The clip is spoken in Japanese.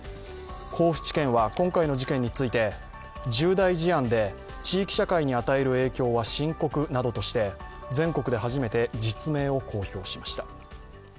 甲府地検は今回の事件について重大事案で地域社会に与える影響は深刻などとして全国で初めて実名を公表しました。